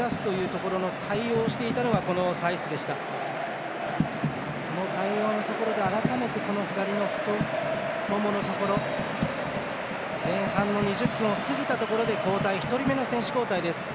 その対応のところで、改めてこの左の太もものところ前半の２０分を過ぎたところで１人目の選手交代です。